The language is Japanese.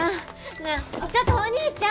なあちょっとお兄ちゃん！